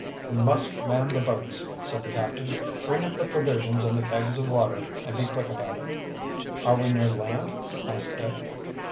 "We must man the boats," said the captain. "Bring up the provisions and the kegs of water, and be quick about it." "Are we near land?" asked Dick.